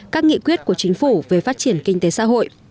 các nghị quyết của chính phủ về phát triển kinh tế xã hội